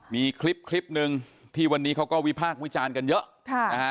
มีคลิปนึงที่วันนี้เขาก็วิพากษ์วิจารณ์กันเยอะ